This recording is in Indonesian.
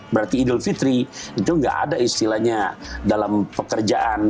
berarti idul fitri itu nggak ada istilahnya dalam pekerjaan